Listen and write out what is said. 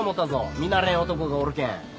見慣れん男がおるけん。